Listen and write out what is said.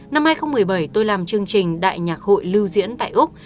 năm hai nghìn một mươi bảy tôi làm chương trình đại nhạc hội lưu diễn tại úc